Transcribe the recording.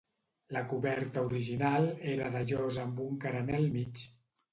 La coberta original era de llosa amb un carener al mig.